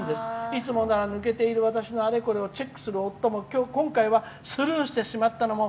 いつもなら抜けている私のあれこれをチェックする夫も今回はスルーしてしまったのも。